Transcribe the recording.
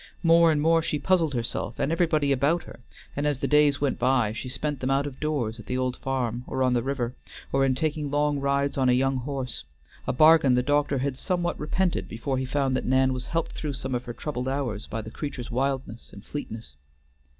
More and more she puzzled herself and everybody about her, and as the days went by she spent them out of doors at the old farm, or on the river, or in taking long rides on a young horse; a bargain the doctor had somewhat repented before he found that Nan was helped through some of her troubled hours by the creature's wildness and fleetness.